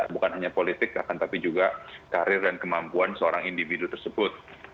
bukan hanya politik tapi juga karir dan kemampuan seorang individu tersebut